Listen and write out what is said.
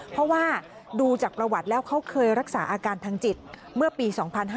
เพราะว่าดูจากประวัติแล้วเขาเคยรักษาอาการทางจิตเมื่อปี๒๕๕๙